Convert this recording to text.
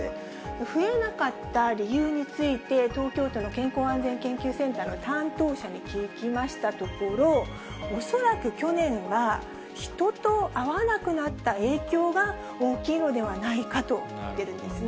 増えなかった理由について、東京都の健康安全研究センターの担当者に聞きましたところ、恐らく去年は人と会わなくなった影響が大きいのではないかと言ってるんですね。